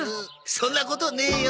そんなことねえよ。